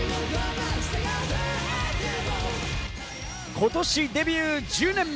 ことしデビュー１０年目。